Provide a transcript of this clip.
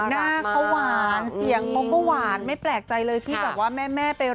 ดูทั้งนั้นเลยนะคะ